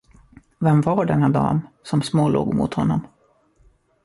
Vem var denna dam, som smålog mot honom?